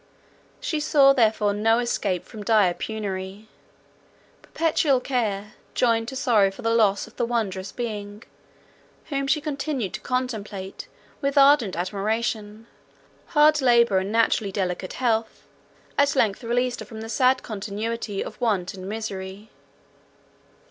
She saw therefore no escape from dire penury: perpetual care, joined to sorrow for the loss of the wondrous being, whom she continued to contemplate with ardent admiration, hard labour, and naturally delicate health, at length released her from the sad continuity of want and misery.